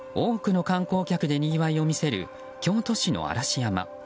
多くの観光客でにぎわいを見せる京都市の嵐山。